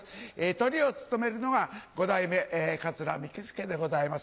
トリを務めるのが五代目桂三木助でございます。